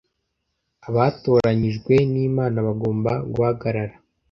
Abatoranyijwe nImana bagomba guhagarara